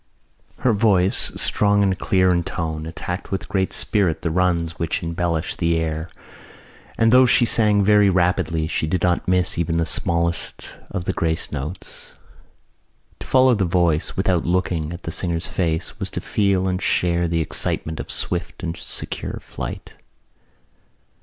Her voice, strong and clear in tone, attacked with great spirit the runs which embellish the air and though she sang very rapidly she did not miss even the smallest of the grace notes. To follow the voice, without looking at the singer's face, was to feel and share the excitement of swift and secure flight.